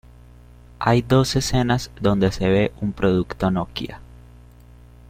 Hay dos escenas donde se ve un producto Nokia.